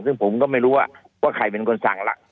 ซึ่งผมก็ไม่รู้ว่าใครเป็นคนสั่งล่ะ